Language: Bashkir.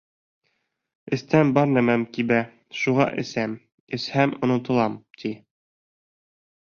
— Эстән бар нәмәм кибә, шуға әсәм, эсһәм онотолам, ти.